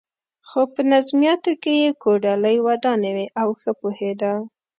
خو په نظمیاتو کې یې کوډلۍ ودانې وې او ښه پوهېده.